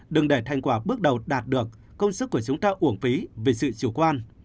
đừng để thành quả bước đầu đạt được công sức của chúng ta uổng phí vì sự chủ quan